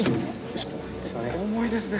重いですね。